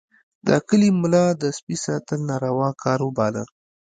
د کلي ملا د سپي ساتل ناروا کار باله.